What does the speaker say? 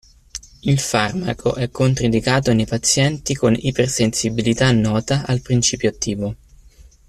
Il farmaco è controindicato nei pazienti con ipersensibilità nota al principio attivo.